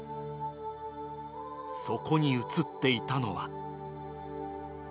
そこに写っていたのは。